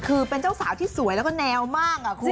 คือเป็นเจ้าสาวที่สวยแล้วก็แนวมากคุณ